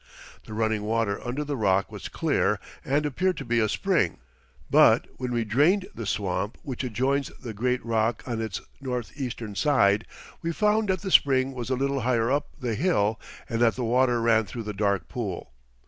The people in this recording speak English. The running water under the rock was clear and appeared to be a spring, but when we drained the swamp which adjoins the great rock on its northeastern side, we found that the spring was a little higher up the hill and that the water ran through the dark pool.